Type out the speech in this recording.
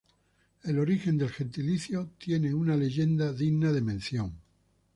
El origen del gentilicio tiene una leyenda digna de mención.